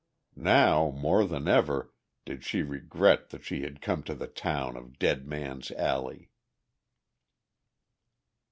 Now, more than ever, did she regret that she had come to the town of Dead Man's Alley.